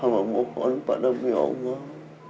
hamba mohon padam ya allah